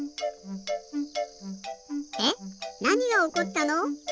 なにがおこったの？